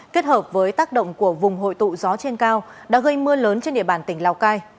kết hợp với tác động của vùng hội tụ gió trên cao đã gây mưa lớn trên địa bàn tỉnh lào cai